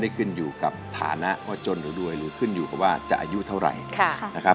ดูกับฐานะว่าจนหรือรวยหรือขึ้นอยู่กับว่าจะอายุเท่าไหร่